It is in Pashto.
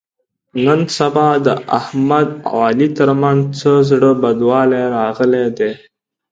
نن سبا د احمد او علي تر منځ څه زړه بدوالی راغلی دی.